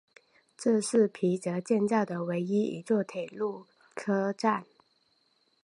这是皮泽建造的唯一一座铁路车站。